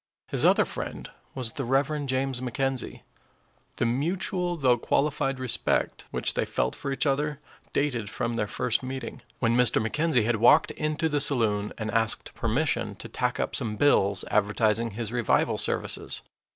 His other friend was the Rev. James McKenzie. The mutual though qualified respect which they felt for each other dated from their first meeting, when Mr. McKenzie had walked into the saloon and asked permission to tack up some bills advertising his revival services.